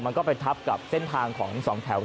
มันก็ไปทับกับเส้นทางของสองแถว